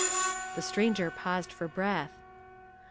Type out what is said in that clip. The stranger paused for breath.